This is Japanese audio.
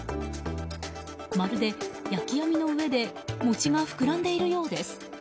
まるで焼き網の上で餅が膨らんでいるようです。